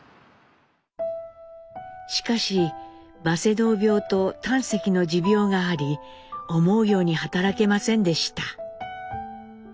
しかしバセドウ病と胆石の持病があり思うように働けませんでした。